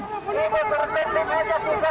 ibu ibu ini tidak bisa berjalan